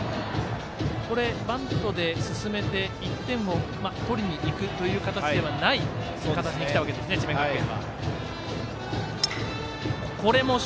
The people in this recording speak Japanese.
バントで進めて１点を取りに行くという形ではない形できたわけですね、智弁学園。